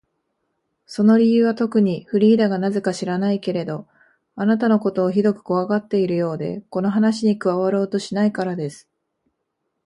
その理由はとくに、フリーダがなぜか知らないけれど、あなたのことをひどくこわがっているようで、この話に加わろうとしないからです。